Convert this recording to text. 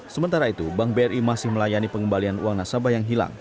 sementara itu bank bri masih melayani pengembalian uang nasabah yang hilang